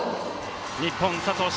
日本、佐藤駿